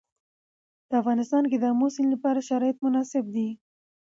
په افغانستان کې د آمو سیند لپاره شرایط مناسب دي.